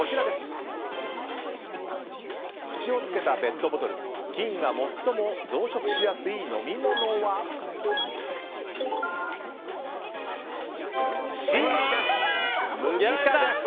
口をつけたペットボトル菌が最も増殖しやすい飲み物はＣです、麦茶です。